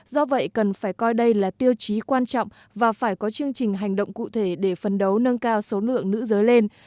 do vậy cần phải coi đây là tiêu chí quan trọng và phải có chương trình hành động cụ thể để phấn đấu nâng cao số lượng nữ giới lên